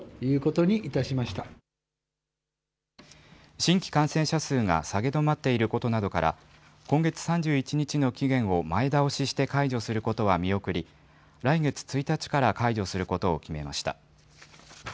新規感染者数が下げ止まっていることなどから、今月３１日の期限を前倒しして解除することは見送り、来月１日から解除することを決めました。